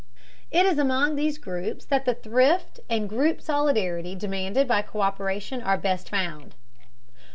It is among these groups that the thrift and group solidarity demanded by co÷peration are best found.